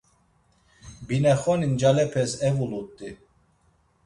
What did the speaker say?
Binexoni ncalepes evulut̆i.